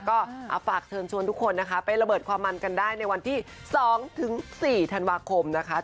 ก็ฝากเชิญชวนทุกคนนะคะไประเบิดความมันกันได้ในวันที่๒๔ธันวาคมนะคะ